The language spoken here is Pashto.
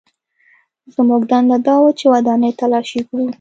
زموږ دنده دا وه چې ودانۍ تلاشي کړو